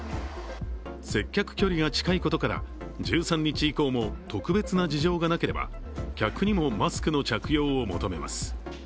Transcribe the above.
接客距離が近いことから、１３日以降も特別な事情がなければ客にもマスクの着用を求めます。